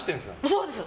そうです